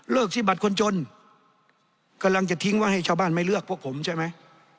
ที่บัตรคนจนกำลังจะทิ้งไว้ให้ชาวบ้านไม่เลือกพวกผมใช่ไหม